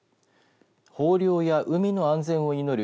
豊漁や海の安全を祈る